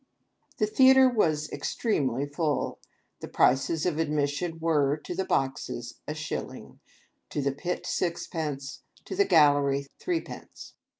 The Theatre was extremely full. The prices of admis sion were, to the boxes, a shilling; to the pit, sixpence; to the gallery, threepence.